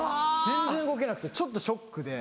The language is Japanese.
全然動けなくてちょっとショックで。